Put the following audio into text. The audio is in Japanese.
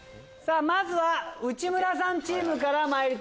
まずは内村さんチームからまいりたいと思います。